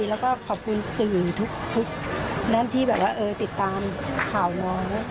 แล้วก็ขอบคุณสื่อทุกนั่นที่แบบว่าติดตามข่าวน้อง